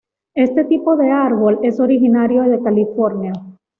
Este tipo de árbol es originario de California.